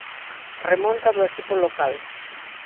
Remonta do equipo local.